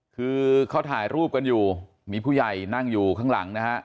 คือเขาถ่ายรูปกันอยู่มีผู้ใหญ่นั่งอยู่ข้างหลังนะฮะ